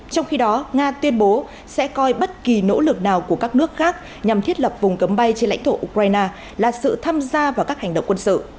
trong khi đó nga tuyên bố sẽ coi bất kỳ nỗ lực nào của các nước khác nhằm thiết lập vùng cấm bay trên lãnh thổ ukraine là sự tham gia vào các hành động quân sự